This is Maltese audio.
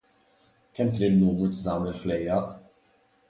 Kemm kien in-numru ta' dawn il-ħlejjaq?